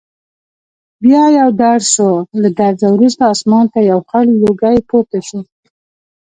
بیا یو درز شو، له درزه وروسته اسمان ته یو خړ لوګی پورته شو.